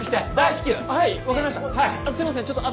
はい！